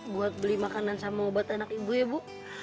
buat beli makanan sama obat anak ibu ya bu